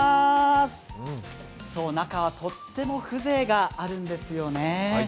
中はとっても風情があるんですよね。